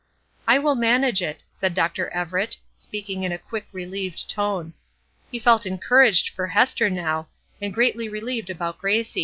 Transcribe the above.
"I will manage it," said Dr. Everett, speaking in a quick, relieved tone. He felt encouraged for Hester now, and greatly relieved about Gracie.